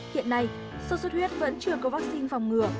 hiện nay sốt xuất huyết vẫn chưa có vắc xin phòng ngừa